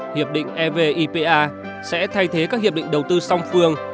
hiệp định evipa sẽ thay thế các hiệp định đầu tư song phương